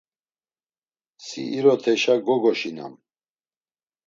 Si iroteşa gogoşinam.